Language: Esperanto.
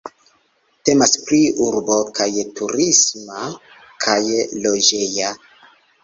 Temas pri urbo kaj turisma kaj loĝeja.